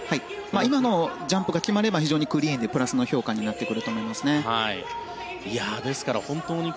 今のジャンプが決まれば非常にクリーンでプラスの評価になると思います。